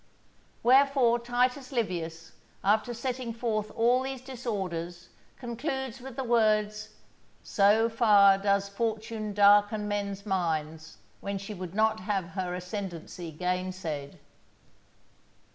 Wherefore, Titus Livius, after setting forth all these disorders, concludes with the words, "_So far does Fortune darken men's minds when she would not have her ascendency gainsaid.